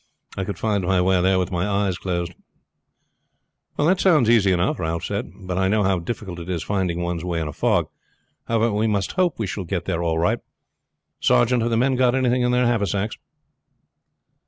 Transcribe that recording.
I could find my way there with my eyes shut." "That sounds easy enough," Ralph said; "but I know how difficult it is finding one's way in a fog. However, we must hope we shall get there all right. Sergeant, have the men got anything in their haversacks?"